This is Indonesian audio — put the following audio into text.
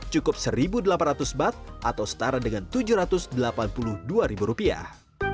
cukup satu delapan ratus bat atau setara dengan tujuh ratus delapan puluh dua ribu rupiah